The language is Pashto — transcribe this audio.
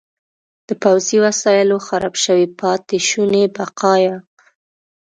د پوځي وسایلو خراب شوي پاتې شوني بقایا.